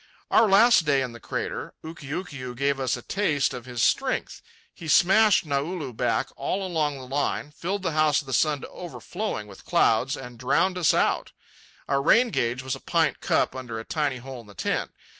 Our last day in the crater, Ukiukiu gave us a taste of his strength. He smashed Naulu back all along the line, filled the House of the Sun to overflowing with clouds, and drowned us out. Our rain gauge was a pint cup under a tiny hole in the tent.